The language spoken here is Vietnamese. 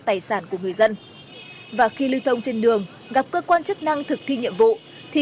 tài sản của người dân và khi lưu thông trên đường gặp cơ quan chức năng thực thi nhiệm vụ thì